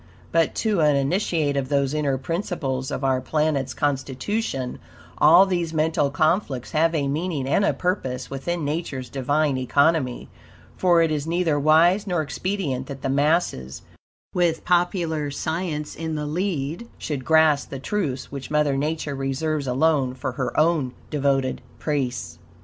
But to an initiate of those inner principles of our planet's constitution all these mental conflicts have a meaning and a purpose within Nature's divine economy; for it is neither wise nor expedient that the masses, with popular science in the lead, should grasp the truths which Mother Nature reserves ALONE for her own devoted priests.